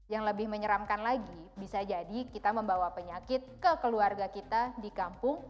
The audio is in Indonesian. yang lebih menyeramkan lagi bisa jadi kita membawa penyakit ke keluarga kita di kampung